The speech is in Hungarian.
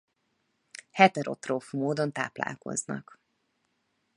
Heterotróf módon táplálkoznak.